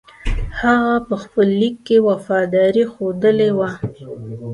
هغه په خپل لیک کې وفاداري ښودلې وه.